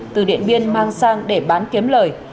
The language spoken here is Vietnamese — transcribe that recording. từ điện biên mang sang để bán kiếm lời